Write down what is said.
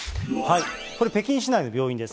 これ、北京市内の病院です。